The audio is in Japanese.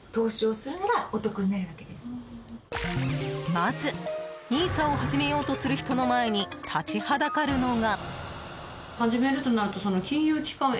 まず、ＮＩＳＡを始めようとする人の前に立ちはだかるのが。